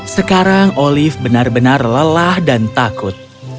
sekarang olive benar benar lelah dan takut